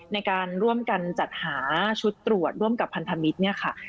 ในการร่วมกันจัดหาชุดตรวจร่วมกับพันธมิตรเนี่ยค่ะ